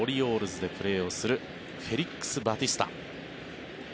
オリオールズでプレーをするフェリックス・バティスタ。